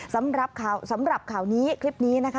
สำหรับข่าวนี้คลิปนี้นะคะ